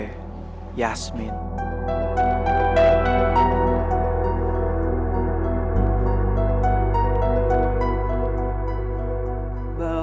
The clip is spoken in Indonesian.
untuk isyin tau gak sih